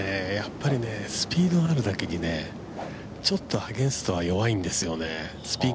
スピードがあるだけに、ちょっとアゲンストは弱いんですよね。